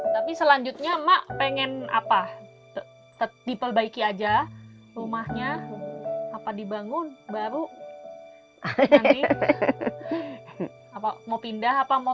tapi selanjutnya mak pengen apa tetap diperbaiki aja rumahnya apa dibangun baru nanti apa mau pindah apa mau